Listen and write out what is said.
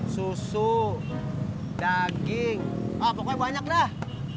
susu daging pokoknya banyak dah